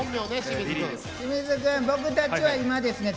僕たちは今ですね